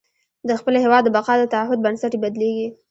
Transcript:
د خپل هېواد د بقا د تعهد بنسټ یې بدلېږي.